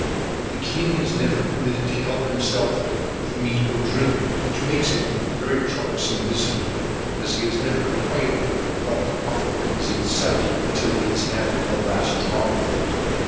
The king is never permitted to help himself with meat or drink, which makes him a very troublesome visitor, as he is never quiet whilst a bottle is in sight till he has had the last drop of it.